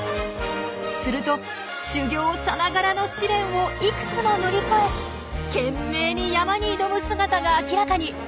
すると修行さながらの試練をいくつも乗り越え懸命に山に挑む姿が明らかに！